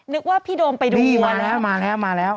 นึกว่าพี่โดมไปดูมัวแล้วนี่มาแล้ว